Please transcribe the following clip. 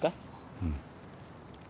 うん。